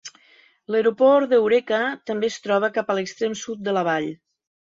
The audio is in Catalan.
L'aeroport d'Eureka també es troba cap a l'extrem sud de la vall.